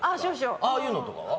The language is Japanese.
ああいうのとかは？